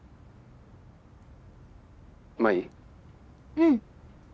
うん。